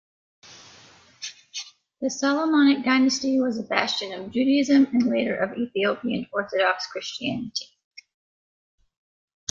The Solomonic dynasty was a bastion of Judaism and later of Ethiopian Orthodox Christianity.